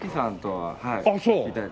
はい。